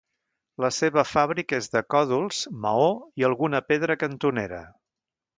La seva fàbrica és de còdols, maó i alguna pedra cantonera.